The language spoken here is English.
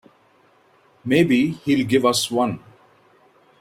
Maybe he'll give us one.